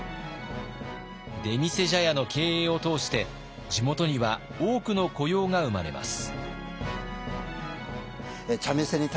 出店茶屋の経営を通して地元には多くの雇用が生まれます。